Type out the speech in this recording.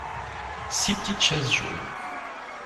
Six petites chaises jaunes.